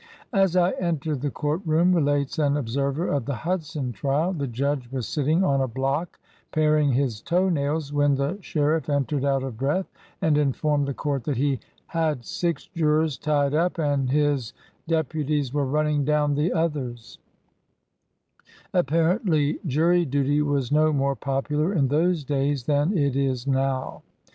"As I entered the court room," relates an ob server of the Hudson trial, 1 "the judge was sit ting on a block, paring his toe nails, when the sheriff entered out of breath and informed the court that he had six jurors tied up and his dep uties were running down the others" Apparently jury duty was no more popular in those days than it is now.